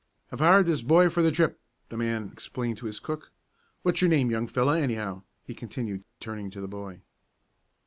"I've hired this boy for the trip," the man explained to his cook. "What's your name, young feller, anyhow?" he continued, turning to the boy.